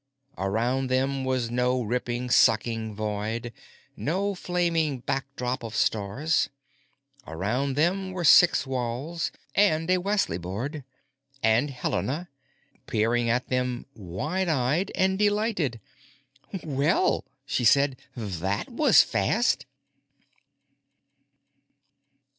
Around them was no ripping, sucking void, no flaming backdrop of stars; around them were six walls and a Wesley board, and Helena peering at them wide eyed and delighted. "Well!" she said. "That was fast!"